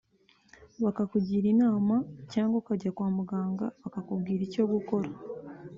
bakakugira inama cyangwa ukajya kwa muganga bakakubwira icyo gukora